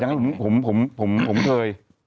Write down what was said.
อ๋ออย่างนั้นผมเคย